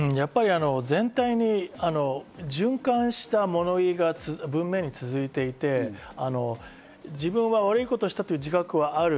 全体に循環した物言い、文面が続いていて、自分は悪いことをしたという自覚はある。